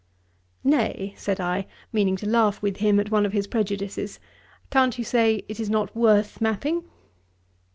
'Nay, (said I, meaning to laugh with him at one of his prejudices,) can't you say, it is not worth mapping?'